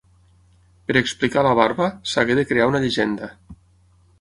Per explicar la barba, s'hagué de crear una llegenda.